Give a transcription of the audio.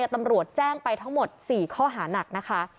ตำรวจแจ้งไปทั้งหมด๔ข้อหานักนะคะ